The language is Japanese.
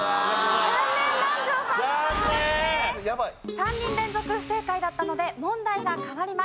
３人連続不正解だったので問題が変わります。